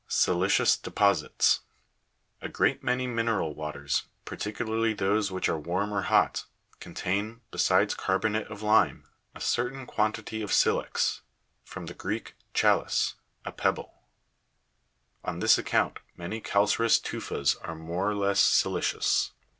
32. Sili'cious deposits. A great many mineral waters, particu larly those which are warm or hot, contain, besides carbonate of lime, a certain quantity of silex (from the Greek chalis, a pebble) ; on this account many calcareous tu'fas are more or less silicious.